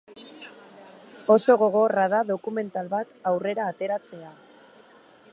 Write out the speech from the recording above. Oso gogorra da dokumental bat aurrera ateratzea.